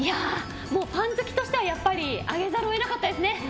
パン好きとしてはやっぱり上げざるを得なかったですね。